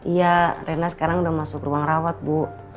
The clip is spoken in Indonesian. iya rena sekarang udah masuk ruang rawat bu